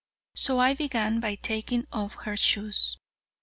So I began by taking off her shoes.